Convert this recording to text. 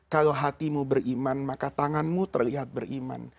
kalau hatimu beriman maka tanganmu terlihat beriman